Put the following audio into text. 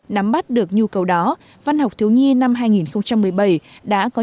nắm bắt được nhu cầu đó văn học thiếu nhiên năm hai nghìn một mươi bảy đã có những chuyện